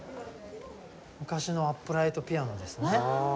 昔のアップライトピアノですね。